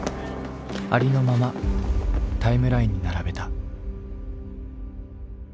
ありのままタイムラインに並べた。